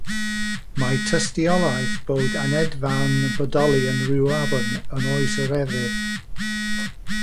Mae tystiolaeth bod aneddfa'n bodoli yn Rhiwabon yn oes yr efydd.